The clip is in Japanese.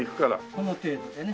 この程度でね。